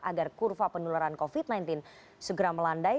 agar kurva penularan covid sembilan belas segera melandai